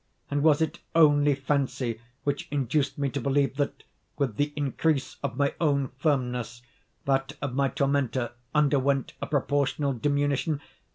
And was it only fancy which induced me to believe that, with the increase of my own firmness, that of my tormentor underwent a proportional diminution?